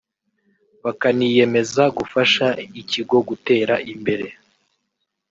bakaniyemeza gufasha ikigo gutera imbere